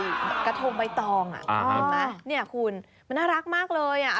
แล้วก็ใส่กระทงใบตองอ่ะนี่คุณมันน่ารักมากเลยอ่ะ